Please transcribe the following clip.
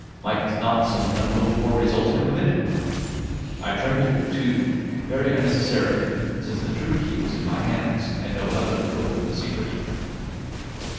Might not some unhoped for result come of it? I trembled, too, very unnecessarily, since the true key was in my hands, and no other would open the secret.